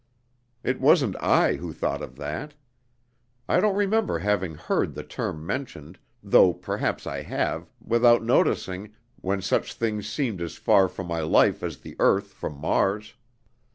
It wasn't I who thought of that. I don't remember having heard the term mentioned, though perhaps I have, without noticing, when such things seemed as far from my life as the earth from Mars.